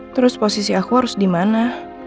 terus posisi aku harus dimana